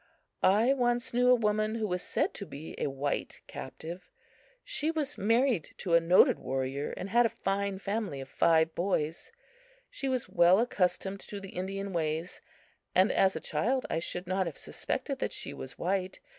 I once knew a woman who was said to be a white captive. She was married to a noted warrior, and had a fine family of five boys. She was well accustomed to the Indian ways, and as a child I should not have suspected that she was white.